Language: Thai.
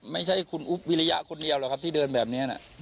ไม่ใช่คุณอุ๊บวิริยะคนเดียวหรอกครับที่เดินแบบนี้นะ